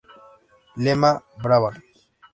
Lema: Brabant.